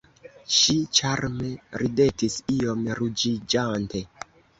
Ŝi ĉarme ridetis iom ruĝiĝante.